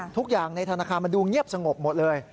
ทุกอย่างในธนาคารมันดูเงียบสงบหมดเลย